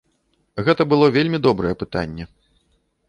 Гэта было вельмі добрае пытанне.